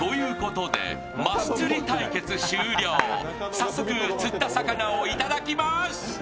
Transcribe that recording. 早速、釣った魚をいただきます。